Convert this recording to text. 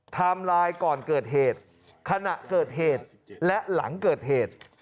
ไลน์ก่อนเกิดเหตุขณะเกิดเหตุและหลังเกิดเหตุ